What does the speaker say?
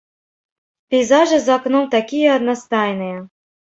Пейзажы за акном такія аднастайныя.